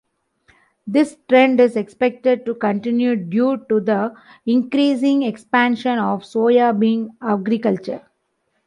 This trend is expected to continue due to the increasing expansion of soybean agriculture.